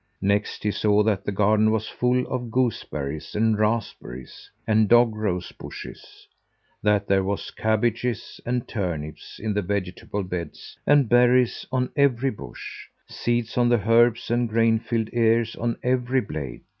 Next he saw that the garden was full of gooseberries and raspberries and dog rose bushes; that there were cabbages and turnips in the vegetable beds and berries on every bush, seeds on the herbs and grain filled ears on every blade.